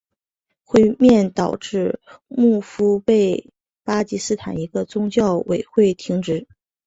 会面导致穆夫提被巴基斯坦一个宗教委员会停职。